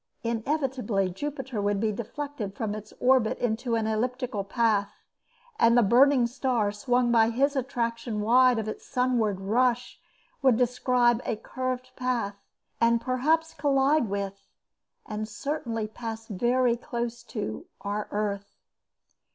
Inevitably Jupiter would be deflected from its orbit into an elliptical path, and the burning star, swung by his attraction wide of its sunward rush, would "describe a curved path" and perhaps collide with, and certainly pass very close to, our earth.